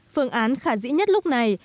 phương án khả dĩ nhất lúc này